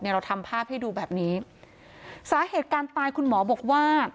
เราทำภาพให้ดูแบบนี้สาเหตุการตายคุณหมอบอกว่า